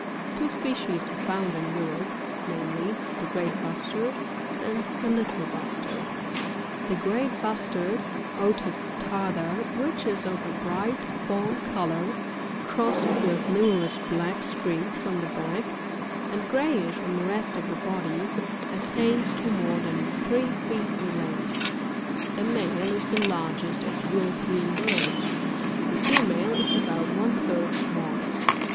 Two species are found in Europe, namely ; the great Bustard, and the Little Bustard. 22. The Great Bustard, — Otis tarda, — which is of a bright fewn colour, crossed with numerous black Streaks on the back, and grayish on the rest of the body, attains to more than three feet in length ; the male is the largest of European birds ; the female is about one third smaller.